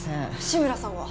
志村さんは？